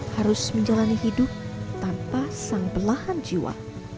harus menjalani hidup tanpa sang belahan jiwa